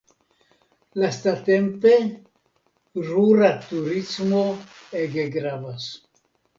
Lastatempe rura turismo ege gravas.